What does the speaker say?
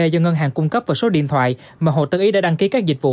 do ngân hàng cung cấp và số điện thoại mà hồ tấn ý đã đăng ký các dịch vụ